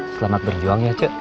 selamat berjuang ya cuy